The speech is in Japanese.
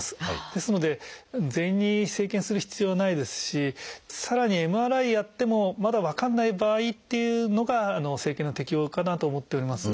ですので全員に生検する必要はないですしさらにＭＲＩやってもまだ分かんない場合っていうのが生検の適応かなと思っております。